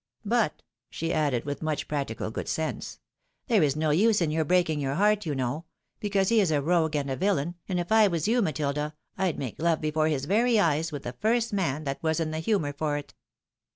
" But," she added, with much practical good sense, " there is no use in your breaking your heart, you know, because he is a rogue and a villain, and if I was you, Matilda, I'd make love before his very eyes, with the first man that was in the humour for it."